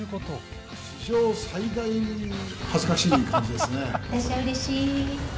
史上最大に恥ずかしい感じですね。